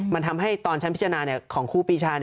มันทำให้ตอนชั้นพิจารณาของครูปีชา